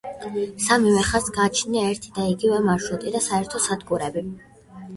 სამივე ხაზს გააჩნია ერთიდაიგივე მარშრუტი და საერთო სადგურები.